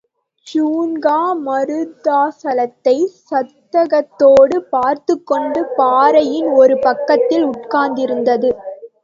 ஜின்கா மருதாசலத்தைச் சந்தேகத்தோடு பார்த்துக்கொண்டு பாறையின் ஒரு பக்கத்தில் உட்கார்ந்திருந்தது.